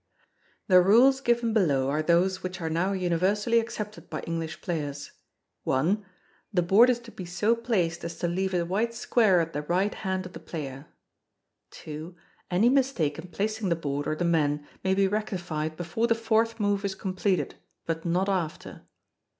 The rules given below are those which are now universally accepted by English players. i. The board is to be so placed as to leave a white square at the right hand of the player. ii. Any mistake in placing the board or the men may be rectified before the fourth move is completed, but not after.